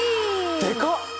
でかっ！